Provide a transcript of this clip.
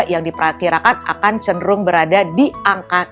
yang diperkirakan akan cenderung berada di angka